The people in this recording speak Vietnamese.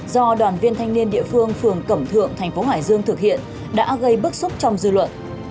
do đoàn viên thanh niên địa phương phường cẩm thượng thành phố hải dương thực hiện đã gây bức xúc trong dư luận